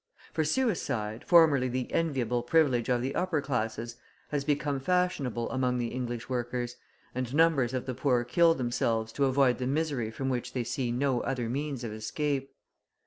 For suicide, formerly the enviable privilege of the upper classes, has become fashionable among the English workers, and numbers of the poor kill themselves to avoid the misery from which they see no other means of escape.